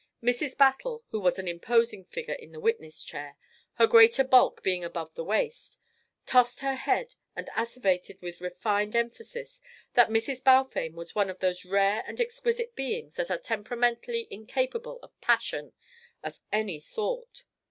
Mrs. Battle, who was an imposing figure in the witness chair, her greater bulk being above the waist, tossed her head and asseverated with refined emphasis that Mrs. Balfame was one of those rare and exquisite beings that are temperamentally incapable of passion of any sort.